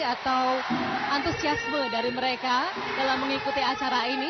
atau antusiasme dari mereka dalam mengikuti acara ini